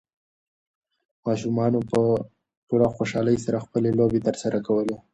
ماشومانو په پوره خوشالۍ سره خپلې لوبې ترسره کولې.